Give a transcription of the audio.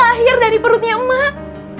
lahir dari perutnya emak